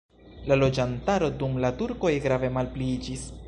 La loĝantaro dum la turkoj grave malpliiĝis.